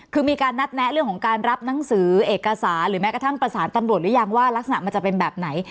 คือมีการนัดแนะเรื่องของการรับหนังสือเอกสารหรือแม้กระทั่งประสานตำรวจหรือยังว่ารักษณะมันจะเป็นแบบไหน